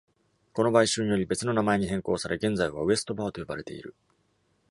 この買収により別の名前に変更され、現在は「ウエスト・バー」と呼ばれている。